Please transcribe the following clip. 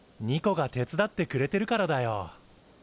ニコが手伝ってくれてるからだよ。